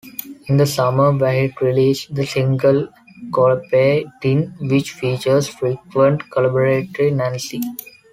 In the summer, Wahid released the single "Golaper Din", which features frequent collaborator Nancy.